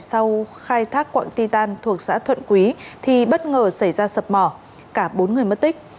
sau khai thác quạng ti tàn thuộc xã thuận quý thì bất ngờ xảy ra sập mỏ cả bốn người mất tích